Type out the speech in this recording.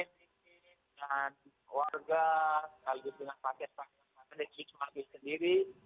dan warga selalu dengan paket paket masih sendiri